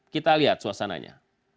kita lihat suasananya